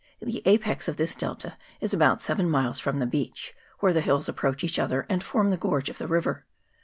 The apex of this delta is about seven miles from the beach, where the hills approach each other and form the gorge of the river.